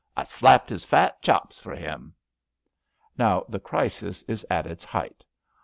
I slapped his fat chops for him." Now the crisis is at its height.